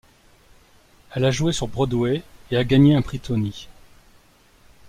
Elle a joué sur Broadway et a gagné un Prix Tony.